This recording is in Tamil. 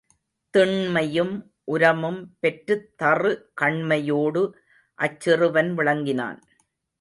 திண்மையும் உரமும் பெற்றுத் தறு கண்மையோடு அச்சிறுவன் விளங்கினான்.